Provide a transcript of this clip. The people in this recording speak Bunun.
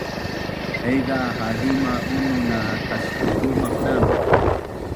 Haiza hahima bunun a tactulumaq na’am